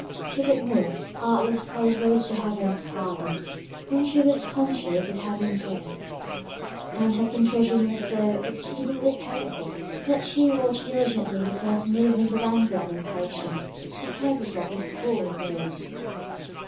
She did more; artless prayers rose to Heaven for pardon, when she was conscious of having erred; and her contrition was so exceedingly painful, that she watched diligently the first movements of anger and impatience, to save herself this cruel remorse.